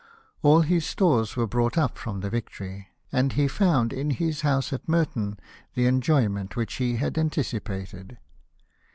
All his stores were brought up from the Victory, and he found in his house at Merton the enjoyment which he had anticipated.